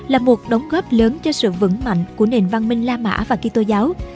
là một đóng góp lớn cho sự vững mạnh của nền văn minh la mã và kỹ tô giáo